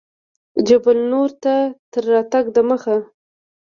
جبل النور ته تر راتګ دمخه.